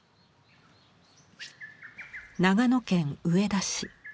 長野県上田市。